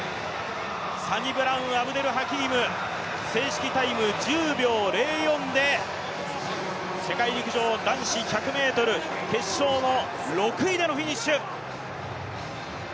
サニブラウン・アブデル・ハキーム、正式タイム１０秒０４で世界陸上男子１００ｍ決勝６位でのフィニッシュ。